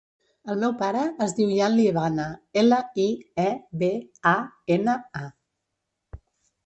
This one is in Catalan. El meu pare es diu Ian Liebana: ela, i, e, be, a, ena, a.